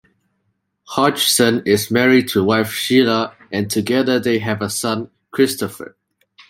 Hodgson is married to wife Sheila, and together they have a son, Christopher.